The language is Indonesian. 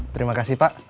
terima kasih pak